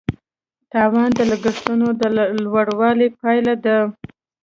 تاوان د لګښتونو د لوړوالي پایله ده.